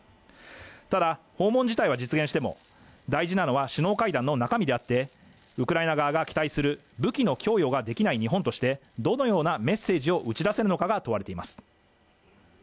ただ、訪問自体は実現しても、大事なのは首脳会談の中身であって、ウクライナ側が期待する武器の供与ができない日本としてどのようなメッセージを打ち出せるのかが問われています。